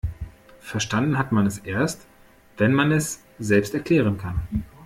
Verstanden hat man es erst, wenn man es selbst erklären kann.